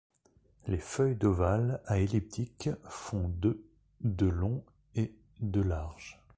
Les feuilles d'ovales à elliptiques font de de long et de large.